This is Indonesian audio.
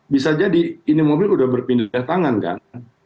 bisa jadi ini mobil udah berpindah tangan kan